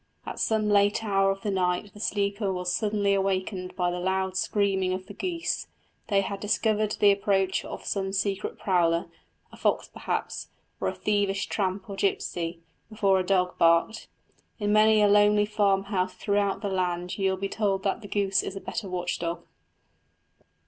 At some late hour of the night the sleeper was suddenly awakened by the loud screaming of the geese; they had discovered the approach of some secret prowler, a fox perhaps, or a thievish tramp or gipsy, before a dog barked. In many a lonely farmhouse throughout the land you will be told that the goose is the better watch dog.